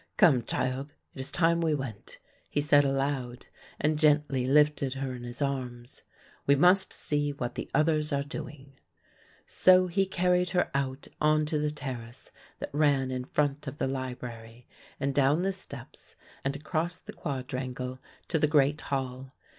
Come, child, it is time we went," he said aloud and gently lifted her in his arms; "we must see what the others are doing." So he carried her out on to the terrace that ran in front of the library and down the steps and across the quadrangle to the great Hall.